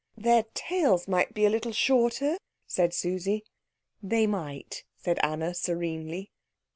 "Their tails might be a little shorter," said Susie. "They might," agreed Anna serenely.